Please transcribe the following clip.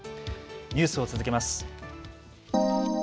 ニュースを続けます。